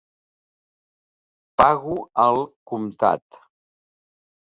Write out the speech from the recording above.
Pago al comptat.